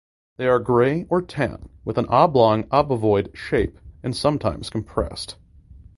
They are gray or tan with an oblong obovoid shape and sometimes compressed.